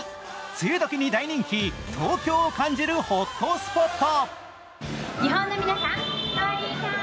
梅雨時に大人気、東京を感じるホットスポット。